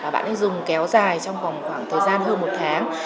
bạn ấy dùng kéo dài trong khoảng thời gian hơn một tháng